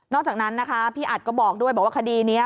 อกจากนั้นนะคะพี่อัดก็บอกด้วยบอกว่าคดีนี้